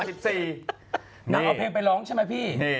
นางเอาเพลงไปร้องใช่ไหมพี่